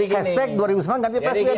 hashtag mimbar bebas